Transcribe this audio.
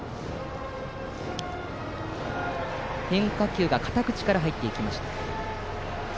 変化球が肩口から入っていきました。